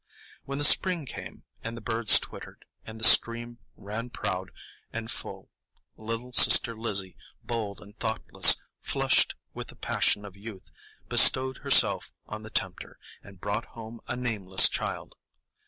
When the spring came, and the birds twittered, and the stream ran proud and full, little sister Lizzie, bold and thoughtless, flushed with the passion of youth, bestowed herself on the tempter, and brought home a nameless child.